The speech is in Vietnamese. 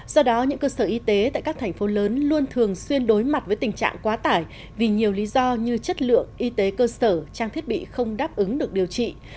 do đó những cơ sở y tế tại các thành phố lớn luôn thường xuyên đối mặt với tình trạng quá tải vì nhiều lý do như chất lượng y tế cơ sở trang thiết bị không đáp ứng được điều trị